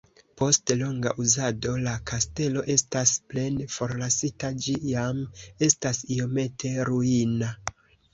Post longa uzado la kastelo estas plene forlasita, ĝi jam estas iomete ruina.